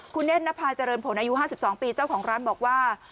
คุณเน่นนภาเจริญผลอายุ๕๒ปีเจ้าของร้านบอกว่า